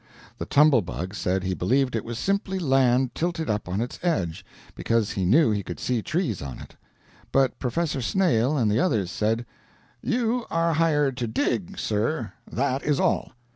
The Tumble Bug said he believed it was simply land tilted up on its edge, because he knew he could see trees on it. But Professor Snail and the others said: "You are hired to dig, sir that is all.